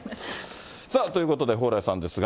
さあ、ということで蓬莱さんですが。